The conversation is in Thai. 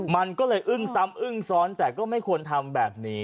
มันก็เลยอึ้งซ้ำอึ้งซ้อนแต่ก็ไม่ควรทำแบบนี้